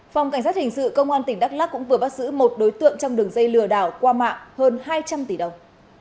phòng cảnh sát hình sự công an tỉnh đắk lắc cũng vừa bắt giữ một đối tượng trong đường dây lừa đảo qua mạng hơn hai trăm linh tỷ đồng